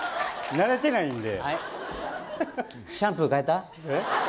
慣れてないんで。